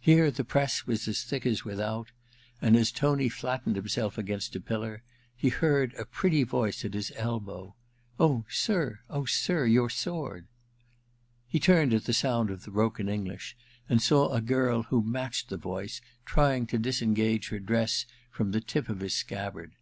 Here the press was as thick as without ; and as Tony flattened himself agsunst a pillar he heard a pretty voice at his elbow: — *Oh, ar, oh, sir, your sword !* He turned at sound of the broken English, and saw a girl who matched the voice trying to disengage her dress from the tip of his scabbard.